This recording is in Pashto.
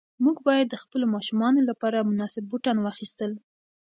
موږ باید د خپلو ماشومانو لپاره مناسب بوټان واخیستل.